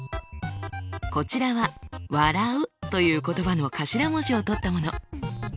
こちらはｗａｒａｕという言葉の頭文字をとったもの。